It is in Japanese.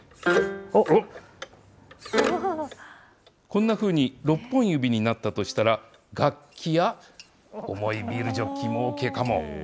こんなふうに６本指になったとしたら楽器や重いビールジョッキもＯＫかも。